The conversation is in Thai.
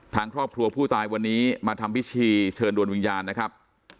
ทางครอบครัวผู้ตายวันนี้มาทำพิธีเชิญดวงวิญญาณนะครับ